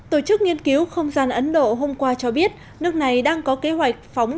tổ chức nghiên cứu không gian ấn độ hôm qua cho biết nước này đang có kế hoạch phóng